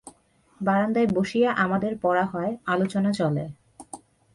বারান্দায় বসিয়া আমাদের পড়া হয়, আলোচনা চলে।